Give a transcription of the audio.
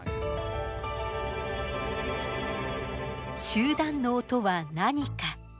集団脳とは何か。